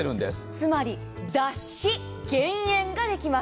つまり脱脂、減塩ができます。